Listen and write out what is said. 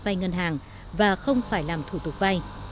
vay ngân hàng và không phải làm thủ tục vay